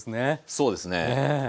そうですね。